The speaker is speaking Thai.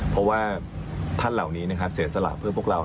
เพราะว่าท่านเหล่านี้นะครับเสียสละเพื่อพวกเรา